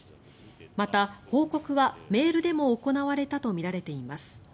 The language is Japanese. また、報告はメールでも行われたとみられています。